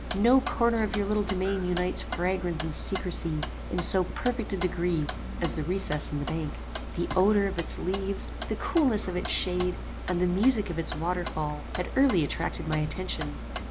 No corner of your little domain unites fragrance and secrecy in so perfect a degree as the recess in the bank. The odour of its leaves, the coolness of its shade, and the music of its water fall, had early attracted my attention.